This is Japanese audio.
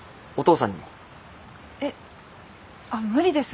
えっあ無理です